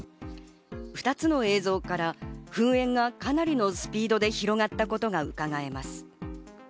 ２つの映像から噴煙がかなりのスピードで広がったことが伺えます。